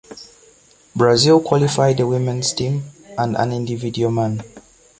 Brazil qualified a women's team and an individual man.